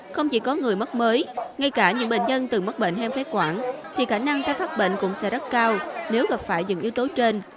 không chỉ có người mắc mới ngay cả những bệnh nhân từng mắc bệnh hen phế quản thì khả năng tay phát bệnh cũng sẽ rất cao nếu gặp phải những yếu tố trên